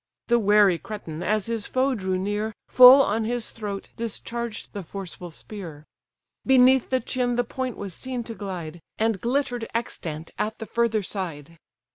The wary Cretan, as his foe drew near, Full on his throat discharged the forceful spear: Beneath the chin the point was seen to glide, And glitter'd, extant at the further side.